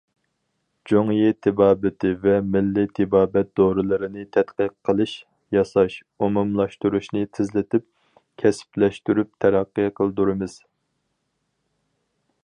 جۇڭيى تېبابىتى ۋە مىللىي تېبابەت دورىلىرىنى تەتقىق قىلىش، ياساش، ئومۇملاشتۇرۇشنى تېزلىتىپ، كەسىپلەشتۈرۈپ تەرەققىي قىلدۇرىمىز.